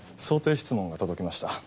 想定質問が届きました。